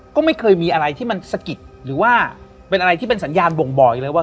ก็ไม่เคยมีอะไรที่มันสะกิดหรือว่าเป็นอะไรที่เป็นสัญญาณบ่งบอกอีกเลยว่า